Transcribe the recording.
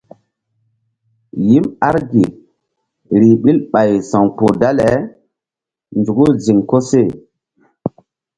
Yim argi rih ɓil ɓay sa̧wkpuh dale nzuku ziŋ koseh.